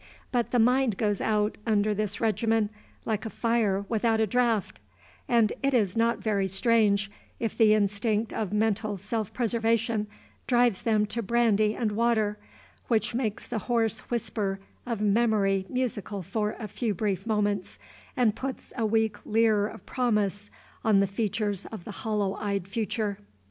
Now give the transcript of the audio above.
But the mind goes out under this regimen, like a fire without a draught; and it is not very strange, if the instinct of mental self preservation drives them to brandy and water, which makes the hoarse whisper of memory musical for a few brief moments, and puts a weak leer of promise on the features of the hollow eyed future.